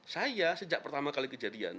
saya sejak pertama kali kejadian